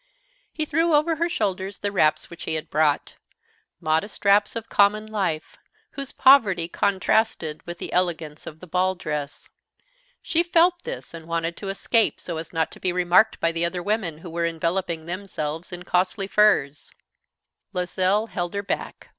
He threw over her shoulders the wraps which he had brought, modest wraps of common life, whose poverty contrasted with the elegance of the ball dress. She felt this and wanted to escape so as not to be remarked by the other women, who were enveloping themselves in costly furs. Loisel held her back.